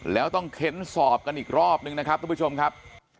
แล้วต้องเค้นสอบกันอีกรอบนึงนะครับทุกผู้ชมครับ